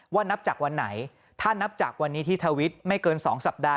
นับจากวันไหนถ้านับจากวันนี้ที่ทวิตไม่เกิน๒สัปดาห